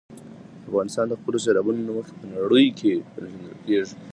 افغانستان د خپلو سیلابونو له مخې په نړۍ کې پېژندل کېږي.